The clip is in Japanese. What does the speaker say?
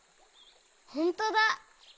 ほんとだ！